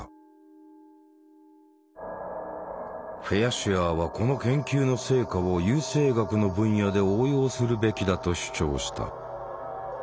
シュアーはこの研究の成果を優生学の分野で応用するべきだと主張した。